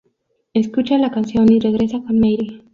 Escucha la canción y regresa con Mary.